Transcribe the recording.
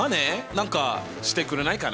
何かしてくれないかな？